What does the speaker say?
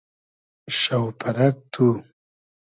شۆپئرئگ تو